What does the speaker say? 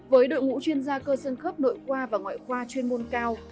với đội ngũ chuyên gia cơ sân khớp nội qua và ngoại khoa chuyên môn cao